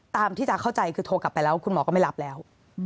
ตามที่จะเข้าใจคือโทรกลับไปแล้วคุณหมอก็ไม่รับแล้ว